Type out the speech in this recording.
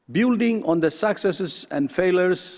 membangun keberhasilan dan kegagalan